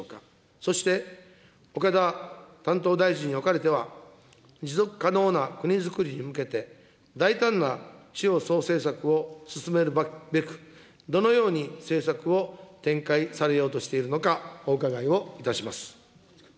そして岡田担当大臣におかれては、持続可能な国づくりに向けて大胆な地方創生策を進めるべく、どのように政策を展開されようとしているのかお伺いをいたします。